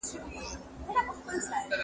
موږ به په حوصلې سره مخ ته ځو.